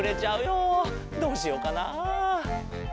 どうしようかな。